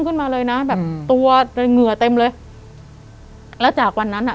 ขึ้นมาเลยนะแบบตัวเหงื่อเต็มเลยแล้วจากวันนั้นอ่ะ